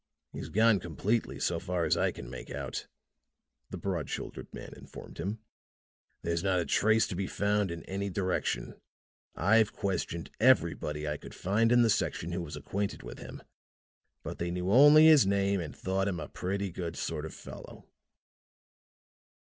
"He's gone completely, so far as I can make out," the broad shouldered man informed him. "There's not a trace to be found in any direction. I've questioned everybody I could find in the section who was acquainted with him, but they knew only his name and thought him a pretty good sort of fellow."